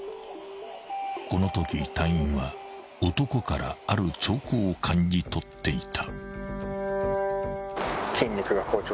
［このとき隊員は男からある兆候を感じ取っていた］